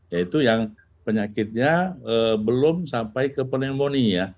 yaitu yang penyakitnya belum sampai ke pneumonia